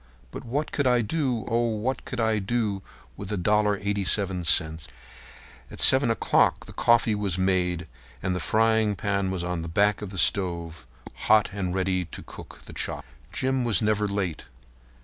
But what could I do—oh! what could I do with a dollar and eighty seven cents?" At 7 o'clock the coffee was made and the frying pan was on the back of the stove hot and ready to cook the chops. Jim was never late.